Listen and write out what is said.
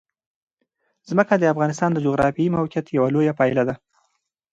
ځمکه د افغانستان د جغرافیایي موقیعت یوه لویه پایله ده.